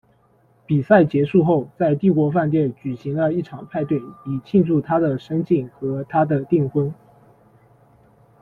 比赛结束后，在帝国饭店举行了一场派对，以庆祝他的升晋和他的订婚。